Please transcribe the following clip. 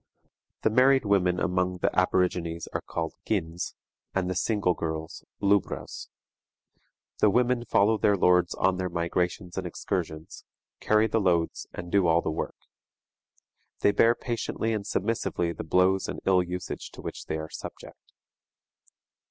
The married women among the aborigines are called "gins," and the single girls "lubbras." The women follow their lords on their migrations and excursions, carry the loads, and do all the work. They bear patiently and submissively the blows and ill usage to which they are subject.